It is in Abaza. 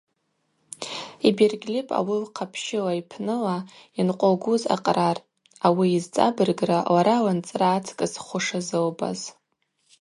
Йбергьльыпӏ ауи лхъапщыла йпныла йынкъвылгуз акърар, ауи йызцӏабыргра лара лынцӏра ацкӏыс хвы шазылбаз.